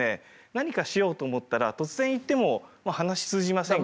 何かしようと思ったら突然行っても話通じませんけれども。